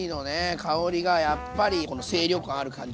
香りがやっぱりこの清涼感ある感じ。